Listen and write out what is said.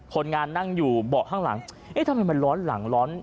คนงานนั่งอยู่เบาะข้างหลังเอ๊ะทำไมมันร้อนหลังร้อน